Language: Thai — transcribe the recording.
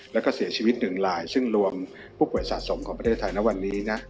แล้วก็เสียชีวิตหนึ่งลายซึ่งรวมผู้ป่วยสะสมของประเทศไทยณวันนี้นะ